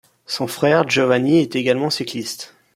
Son frère Giovanni est également cycliste.